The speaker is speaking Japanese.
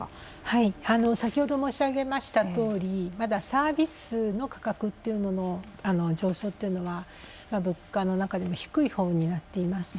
はい先ほど申し上げましたとおりまだサービスの価格っていうのの上昇というのは物価の中でも低いほうになっています。